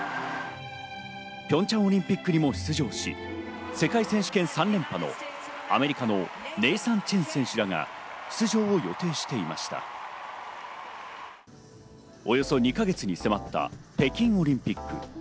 ピョンチャンオリンピックにも出場し、世界選手権３連覇のアメリカのネイサン・チェン選手らが出場を予定していましたが、およそ２か月後に迫った北京オリンピック。